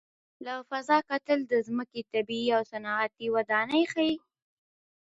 له فضا کتل د ځمکې طبیعي او صنعتي ودانۍ ښيي.